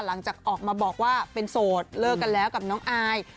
หลังจากออกมาบอกว่าเป็นโสดเลิกกันแล้วกับน้องอาย